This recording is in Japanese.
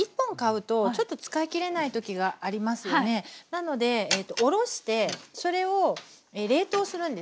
なのでおろしてそれを冷凍するんですね。